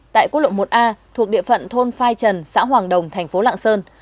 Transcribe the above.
tại quốc lộ một a thuộc địa phận thôn phai trần xã hoàng đồng thành phố lạng sơn